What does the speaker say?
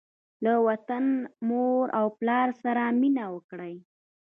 له وطن، مور او پلار سره مینه وکړئ.